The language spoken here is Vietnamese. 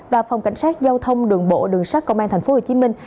và phòng cảnh sát giao thông đường bộ đường sát công an thành phố hồ chí minh